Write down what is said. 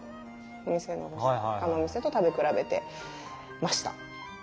他のお店と食べ比べてました。